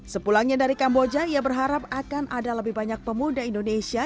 sepulangnya dari kamboja ia berharap akan ada lebih banyak pemuda indonesia